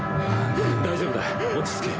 大丈夫だ落ち着け。